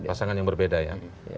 pasangan yang berbeda ya